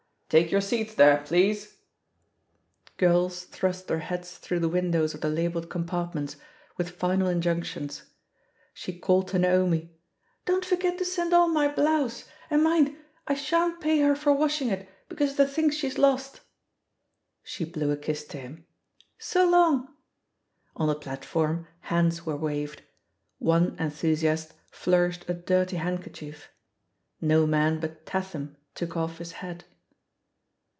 "Take your seats there, please!" Girls thrust their heads through the windows of the labelled compartments, with final injunc tions. She called to Naomi, *T)on't forget to send on my blouse — ^and mind, I shan't pay her for washing it, because of the things she's lost!" She blew a kiss to him. *'So long !" On the plat form, hands were waved. One enthusiast flour ished a dirty handkerchief. No man but Tatham took off his hat.